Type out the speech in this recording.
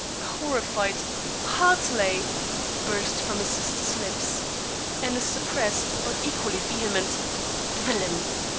A horrified "Hartley!" burst from his sister's lips and a suppressed but equally vehement "Villain!"